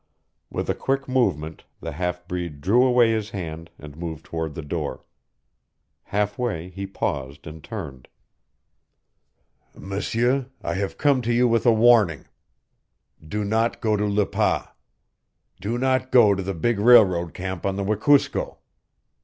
With a quick movement the half breed drew away his hand and moved toward the door. Half way he paused and turned. "M'seur, I have come to you with a warning. Do not go to Le Pas. Do not go to the big railroad camp on the Wekusko.